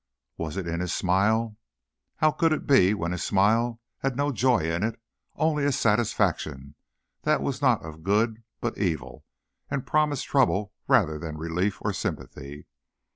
Was it in his smile? How could it be when his smile had no joy in it, only a satisfaction that was not of good, but evil, and promised trouble rather than relief or sympathy?